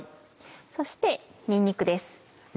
そしてにんにくです。